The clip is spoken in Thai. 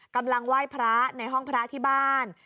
กำลังไหว้พระในห้องพระที่บ้าน